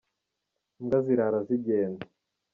imbwa zirara zijyenda